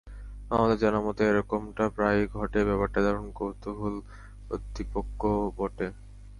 আমাদের জানামতে এরকমটা প্রায়ই ঘটে, ব্যাপারটা দারুণ কৌতূহলোদ্দীপকও বটে।